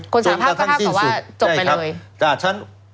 คนสารภาพก็ถ้าบอกว่าจบไปเลย